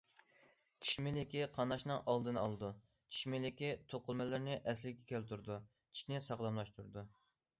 چىش مىلىكى قاناشنىڭ ئالدىنى ئالىدۇ، چىش مىلىكى توقۇلمىلىرىنى ئەسلىگە كەلتۈرىدۇ، چىشنى ساغلاملاشتۇرىدۇ.